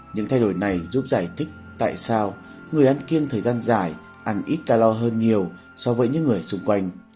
những thay đổi này giúp giải thích tại sao người ăn kiên thời gian dài ăn ít calor hơn nhiều so với những người xung quanh